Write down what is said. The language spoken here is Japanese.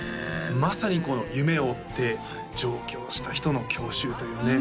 まさに夢を追って上京した人の郷愁というね